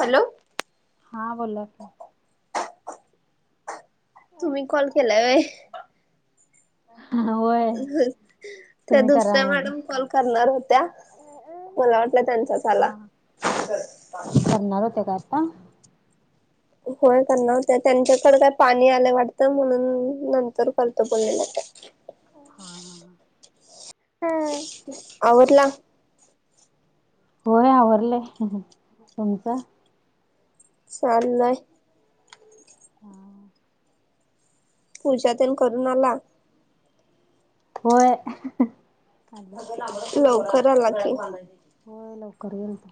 Hello हा बोला क तुम्ही कॉल केलाय व हा होय त्या तुम्ही करा दुसऱ्या मग. मॅडम कॉल करणार होत्या मला वाटलं त्यांचा झाला हा. हा. पां होय त्यां नवत त्यांच्याकडे काय पाणी आलं वाटतं म्हणून नंतर करत बोललेलं काय हा हा ह आवडला होय आवरलं हु हुं तुमचं चाललंय हा पूजा तेन करून आला होय अहहहं लवकर आला कि होय लवकर येना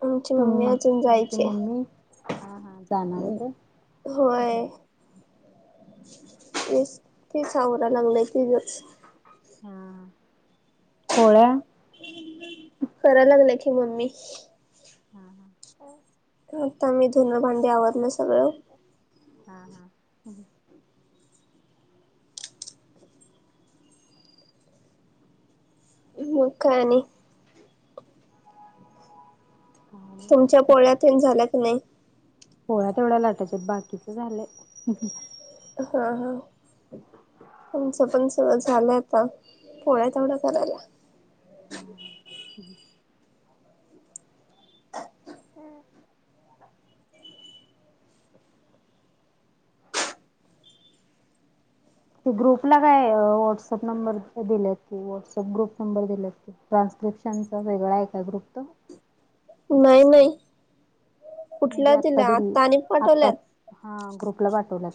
आमची मम्मी तुम् अजून तुमची जायची मम्मी हा हा जाणार आहे त होय तेच ते सावरा लागलंय की ग हा पोळ्या करा लागलं की मम्मी हा हा आ आता मी धुन भांडी आवर ल सगळं हा हा मु काणि काय नाही. तुमच्या पोळ्यात तेन झाल्या क नाही पोळ्या तेवढ्या लाटाच्यात बाकीच झालंय हे ह ह ह हा ह आमचं पण सग झाल होत आता पोळ्या तेवढं करायला हि हम हम्म ते ग्रुपला काय व्हॉट्सअप नंबर दिले व्हट्सअप ग्रुप नंबर दिला्रान क्रिप्शनच वेगळं ऐकाय ग्रुप तो नाही नाही म्हणजे कुठल्या आत्ता दिल्या दिलेल आता आणि पाठवल्यात. आत्ताच हा ग्रुपला पाठवल्या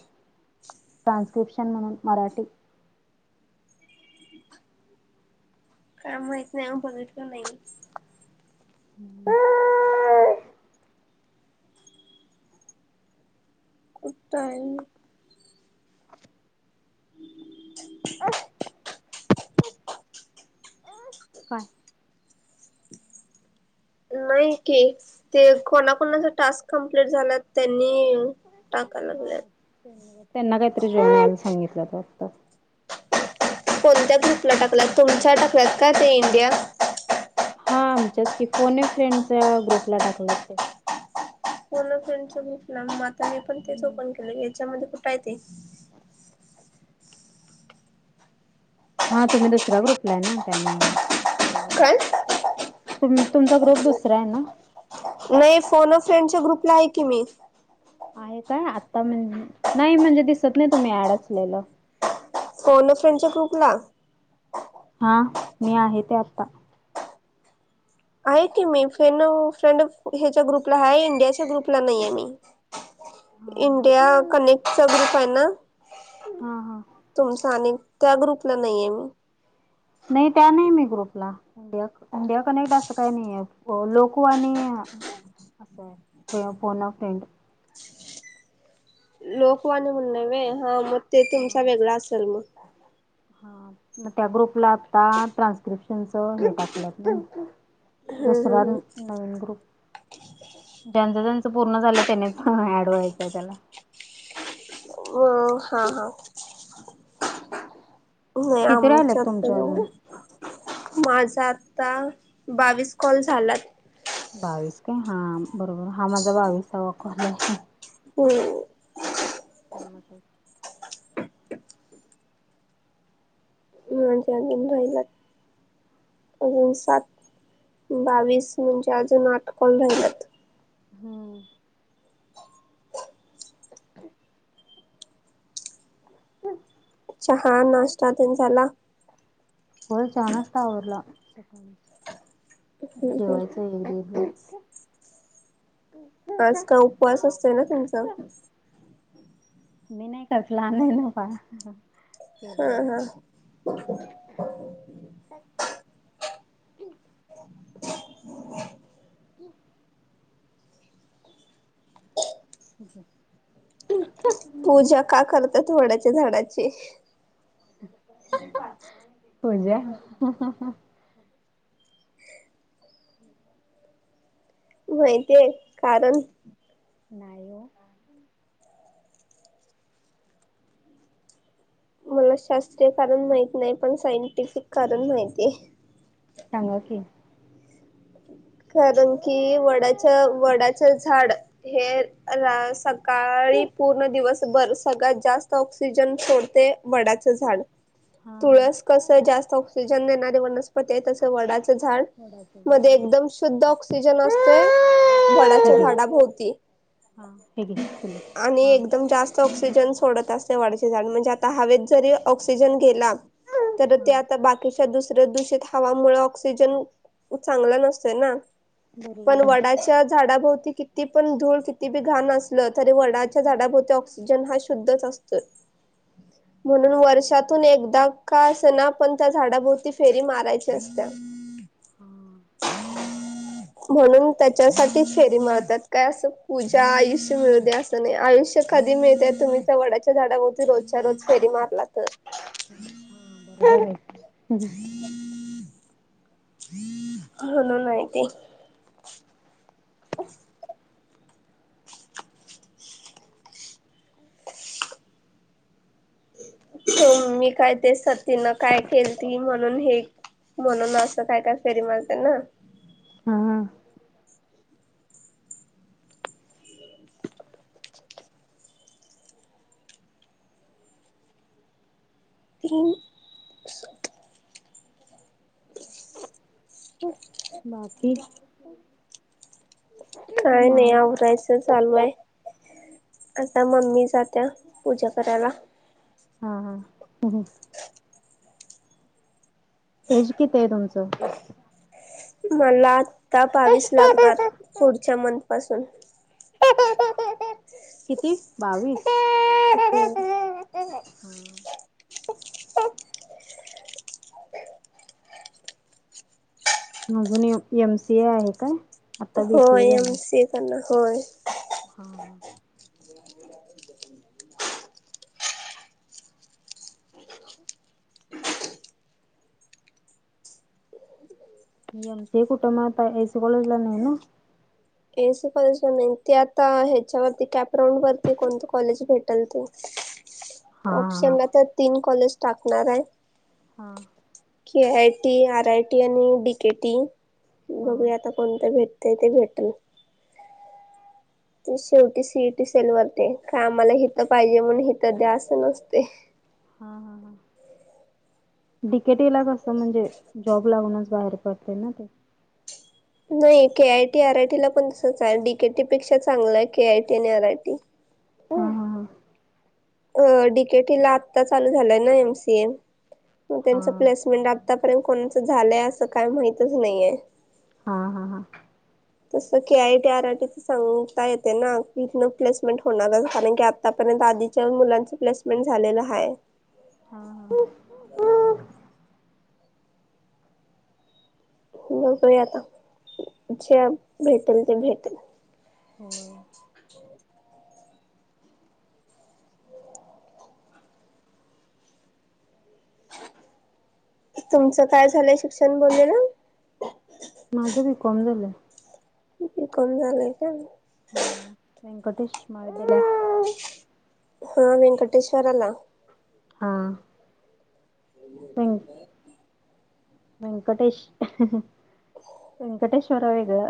ट्रान्स्क्रिप्शन म्हणून मराठी काय माहित नाही हो बघितलं नाही हु हु‌ हु कुठंही काय नाही कि ते कोणाकणाचा टास्क कंप्लीट झाला त्यांनी टाकायला हा लागल्यात. त्यांनी त्यांना काहीतरी जवण्या आधी सांगितलं होतं वाटत कोणत्या ग्रुपला टाकलात तुमच्या टाकलात का ते इंडिया हा आमच्याच की फोने फ्रेंडच्या ग्रुपला टाकलात ते कोन फ्रेंडला च नाव माहित आता मी पण तेच ओपन केले ग त्याच्यामध्ये कुठे आहे ते हा तुम्ही दुसरा ग्रुपला आहे ना त्या म्हून बरोबर हे काय? तुम तुमचा ग्रुप दुसरा आहे ना नाही फोन फ्रेंडच्या ग्रुपला आहे की मी हाय का आता नाहीं नाहि म्हणजे दिसत नाही तुम्ही अड आसलेलं फोन फ्रेंडच्या ग्रुपला हा मी आहे ते आता आहे की मी फ्रेंड न फ्रेंड ह्याच्या ग्रुपला आहे इंडियाच्य ग्रुप ला आहे ना ना नाही हा मी हा इंडिया कनेक्ट चा ग्रुप आहे ना हा हा तुमचा आणि त्या ग्रुपला नाहीये मी नाही त्या नाही मी ग्रुपला इंडिया कनेक्ट असं काही नाही आहे लोको वाणि हे असं आहे फोन फ्रेंड लोकवाणी म्हणले मि नाही व हा मग ते तुमचा वेगळा असेल मग हा मग त्या ग्रुपला आता ट्रान्स्क्रिप्शनच हे टाकलंत ना हम्म दुसरा हम्म नवीन ग्रुप ज्यांचं ज्यांचं पूर्ण झालं, त्यानेच ऍड व्हायचंय, त्याला. व.. हा, हा. नाही किती राहिलेत आमच्यात तुमच्या अजून माझा- ता बावीस कॉल झालात. बावीस काय? हा बरोबर हा माझा बावीसवा काँल हाय. होम्.. ते मस [unintelligible] ज अगेधईला [unintelligible] अजून सात बावीस म्हणजे, अजून आठ काँल राहिल्यात. हम. हम. चहा नाश्ता तेन झाला? हो, चहा नाश्ता आवरला सकाळीच, आता हम्म हम्म जेवायचं वग [inaudible] आज का उपवास असतोय ना, तुमचा? मी नाही करतला ना प [unintelligible] हा, हा, ह. [unintelligible] [inaudible] हम. [inaudible] [inaudible] पूजा का करतात, वडाच्या झाडाची? पूजा? माहिती आहे, कारण? नाही ओ. मला शास्त्रीय कारण माहती नाही, पण सायंटिफिक कारण माहिती आहे. सांगा की? कारण की वडाच्या वडाच झाड हे रा- -काळी पूर्ण दिवसभर सगळ्यात जास्त ऑक्सिजन सोडते वडाचं झाड. हा तुळस हा कस जास्त ऑक्सिजन देणारे वनस्पती आहे, तस वडाचं झाड वडाच मध्ये हा. [inaudible] एकदम शुद्ध ऑक्सिजन असतोय, वड्याच्या हे घे झाडाभोवती हा हे घे पिल्लू आणि हा एकदम जास्त ऑक्सिजन सोडत असतय, वाढचे झाड म्हणजे आता हवेत जरी ऑक्सिजन गेला तर ते हा आता बाकीच्या दुसऱ्या दूषित हवामुळे ऑक्सिजन चांगला नसत ना, पण बरोबर आहे वडाच्या झाडाभोवती किती पण धूळ किती बी घाण असल तरी वणाच्या झाडाभोवती ऑक्सिजन हा शुद्धच असतोय. म्हणून वर्षातून एकदा का, असं ना पण त्या झाडा भोरती फेरी मारायची असत्या. हा. म्हणून त्याच्यासाठी फेरी मारतात काय असं पूजा आयुष्य मिळू दे, असं नाही आयुष्य का कधी मिळत तुम्ही तर वडाच्या झाडाभोती रोजच्या रोज फेरी मारला तर हा बरोबर आहे. म्हणून आहे ते हो मी, काय ते सतीन न काय खेळती म्हणून हे- म्हणून, असं काय, काय फेरी मरते ना? ह. तन [inaudible] बाकी? काय नाही आवरायचं चालू आहे आता मम्मी जाते पूजा करायला हा ह एज किती आहे तुमचं मला आता बावीस लागणार पुढच्या मंथ पासून किती बावीस हो हम अजून एमसीए आहे काय आता बी सी होय ए झालं एम सी ए करणार होय हा हा एम सी कुटुंबात एसी कॉलेजला नाही ना एसी कॉलेज नाही ते आता ह्याच्यावरती कॅपग्राऊंड वरती कोणत कॉलेज भेट हा हा ऑप्शन तर तीन कॉलेज टाकणार आहे हा की A I T R I T आणि डीकेटी हा बघूया आता कोणत भेट ते भेटेल ते शेवटी सीईटी सेल वरते का आम्हाला हितं पाहिजे म्हणून हितं द्या असं नसते हा हा हा डी के टीला कस म्हणजे जॉब लागूनच बाहेर पडते ना ते नाही K I T R I टीला पण तसचाय. डी के टी पेक्षा चांगलाय, के आय टी आणि R I T. [inaudible] A D K T ला आत्ता चालू झालय ना, एम सी ए. मग हा त्यांच प्लेसमेंट, आतापर्यंत कोणाचं झालंय, असं काय माहितच नाहीये. हा, हा, हा. तसं की K I T, R I T च सांगता येते ना की इथन प्लेसमेंट होणार कारण की आता पर र्यंत आधीच्या मुलांच प्लेसमेंट झालेलं हाय. हा, हा. [unintelligible] बगूया आता, जे भेटेल ते भेटेल. [unintelligible] तुमचं काय झालंय शिक्षण बोललेला? माझं बी. कॉम झालंय. बी कॉम झालं आहे का? हा [unintelligible] [inaudible] हा वेंकटेश्वराला. हा, [unintelligible] वेंकटेश [unintelligible] वेंकटेश्वरा वेगळ.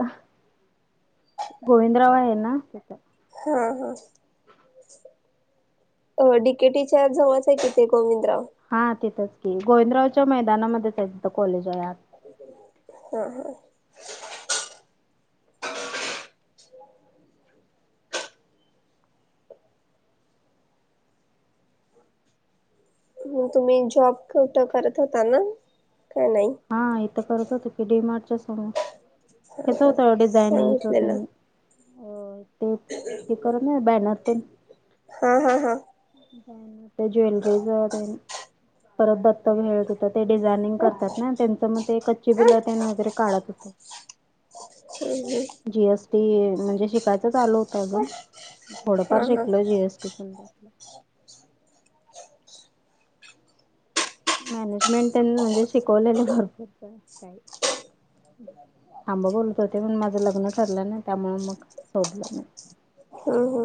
[unintelligible] गोविंदराव आहे, ना तिथं. हा, हा. अ डि के टीच्या जवळचय कि ते गोविंद. हा तिथंच की. गोविंदरावच्या मैदानामध्येचय तीथ कॉलेजय आत. हा, हा. म तुम्ही जॉब कुठ करत होता ना? काय नाही हा इथं करत होत की, डी मार्टच्या समोर. हा हेचं हा होतं, डिझायनिंगच सांगितलेलं तेन. ते, ते करत नाहित बॅनर तेन. हा, हा, हा. [unintelligible] ते ज्वेलरी जवळ तेन. परत दत्त भेळ तिथं ते डिझा यनिंग करतात ना त्यांच, मग ते कच्ची बिल तेन वगैरे काढत होतो. हम्म हम्म ती म्हणजे शिकायचं चालू होतं अजून हा थोडंफार हा शिकल जीएसटी प मॅनेजमेंट त्यां म्हणजे शिकवलेले भरपूर काही थांब बोलत होते म्हण माझं लग्न ठरलं नाही त्यामुळे मग सोडलं नाही. हा हा.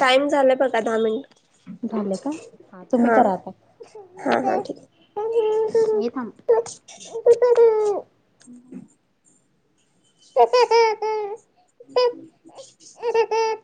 टाइम झालाय बघा दहा मिनिट झाले का? हा, तुम्ही करा हा हा आता ठीक मी थांबते [unintelligible]